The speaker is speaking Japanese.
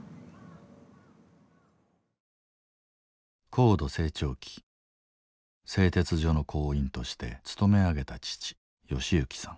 高度成長期製鉄所の工員として勤め上げた父吉之さん。